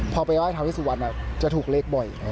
พอไปไหว้ท้าวิทยุสุวรรณจะถูกเล็กบ่อย